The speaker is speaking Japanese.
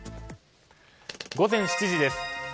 午前７時です。